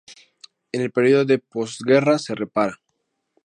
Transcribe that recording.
En el periodo de postguerra se repara.